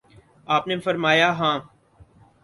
آپ نے فرمایا: ہاں